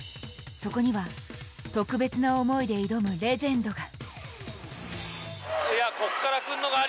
そこには、特別な思いで挑むレジェンドが。